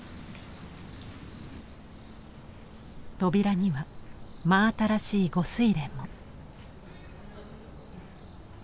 扉には真新しい御翠簾も。